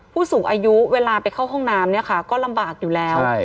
ผู้สูงอายุเวลาไปเข้าห้องน้ำเนี่ยค่ะก็ลำบากอยู่แล้ว